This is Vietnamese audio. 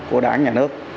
của đảng nhà nước